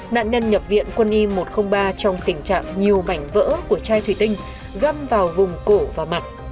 nạn nhân nhập viện quân y một trăm linh ba trong tình trạng nhiều mảnh vỡ của chai thủy tinh găm vào vùng cổ và mặt